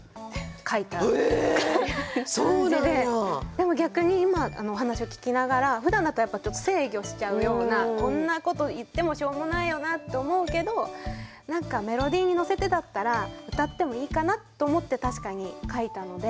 でも逆に今お話を聞きながらふだんだったらやっぱちょっと制御しちゃうようなこんなこと言ってもしょうもないよなって思うけど何かメロディーに乗せてだったら歌ってもいいかなと思って確かに書いたので。